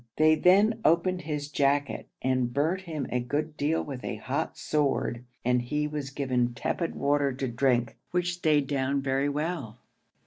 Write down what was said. They then opened his jacket and burnt him a good deal with a hot sword, and he was given tepid water to drink, which stayed down very well.